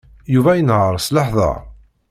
Yuba inehheṛ s leḥder.